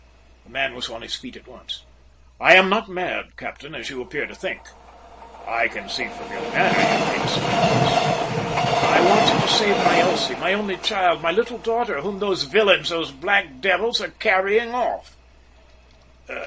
The man was on his feet at once. "I am not mad, captain, as you appear to think. I can see from your manner you think so," he said. "I want you to save my Elsie, my only child, my little daughter, whom those villains, those black devils, are carrying off!"